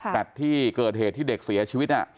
แต่ที่เกิดเหตุที่เด็กเสียชีวิต